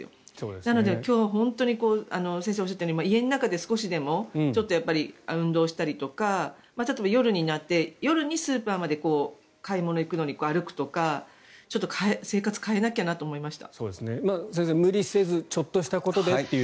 なので今日先生がおっしゃったように家の中で少しでも運動をしたりとか例えば、夜になって夜にスーパーまで買い物に行くのに歩くとか皆さんにご質問を頂きました。